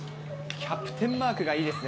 キャプテンマークがいいです